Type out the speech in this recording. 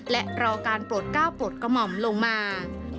และรอการโปรดก้าวโปรดกระหม่อมลงมา